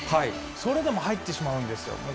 それでも入ってしまうんですよ。